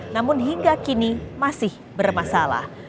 namun hingga kini masih bermasalah